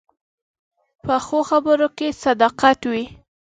پخو خبرو کې صداقت وي